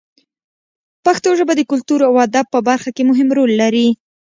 پښتو ژبه د کلتور او ادب په برخه کې مهم رول لري.